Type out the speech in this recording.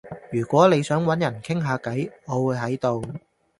如果你想搵人傾下偈，我會喺度